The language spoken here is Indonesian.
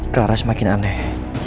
clara semakin aneh